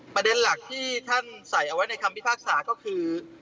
ประเด็นหลักที่ท่านใส่เอาไว้ในคำพิพากษาก็คือ